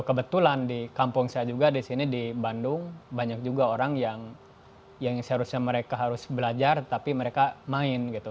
kebetulan di kampung saya juga di sini di bandung banyak juga orang yang seharusnya mereka harus belajar tapi mereka main gitu